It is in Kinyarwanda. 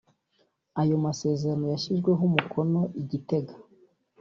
Ayo masezerano yashyiriweho umukono i Gitega